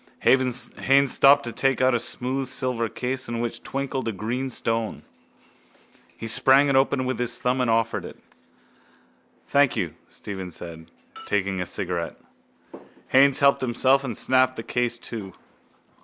Haines stopped to take out a smooth silver case in which twinkled a green stone. He sprang it open with his thumb and offered it. —Thank you, Stephen said, taking a cigarette. Haines helped himself and snapped the case to.